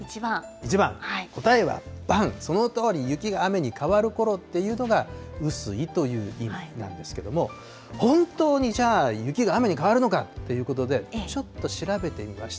１番、答えはばん、そのとおり、雪が雨に変わるころというのが雨水という意味なんですけども、本当にじゃあ、雪が雨に変わるのかということで、ちょっと調べてみました。